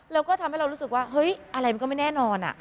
แล้วก็ทำให้เรารู้สึกว่าเฮ้ยอะไรมันก็ไม่แน่นอน